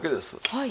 はい。